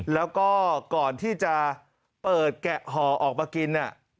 แล้วก็ก่อนที่จะเปิดแกะห่อออกมากิน